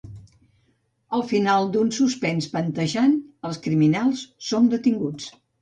Al final d'un suspens panteixant, els criminals són detinguts.